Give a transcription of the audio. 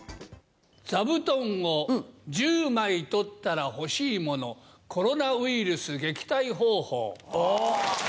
座布団を１０枚取ったら欲しいもの、コロナウイルス撃退方法。